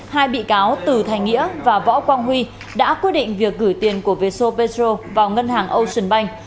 hai bị cáo từ thành nghĩa và võ quang huy đã quyết định việc gửi tiền của veso petro vào ngân hàng ocean bank